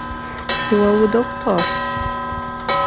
Vo vudoktor?